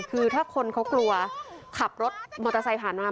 คือถ้าคนเขากลัวขับรถมอเตอร์ไซค์ผ่านมา